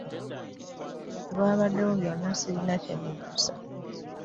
Nze ku byabaddewo byonna ssirina kye nnejjusa.